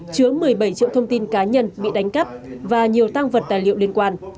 chứa một mươi bảy triệu thông tin cá nhân bị đánh cắp và nhiều tăng vật tài liệu liên quan